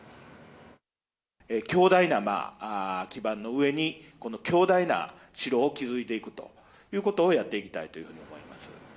強大な基盤の上に、この強大な城を築いていくということをやっていきたいというふうに思いま